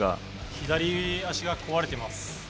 左足が壊れてます。